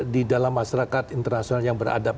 di dalam masyarakat internasional yang beradab